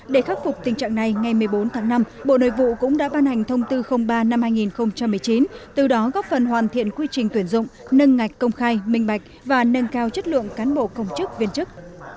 để khắc phục tình trạng này ngày một mươi bốn tháng năm bộ nội vụ cũng đã ban hành thông tư ba năm hai nghìn một mươi chín từ đó góp phần hoàn thiện quy trình tuyển dụng nâng ngạch công khai minh bạch và nâng cao chất lượng cán bộ công chức viên chức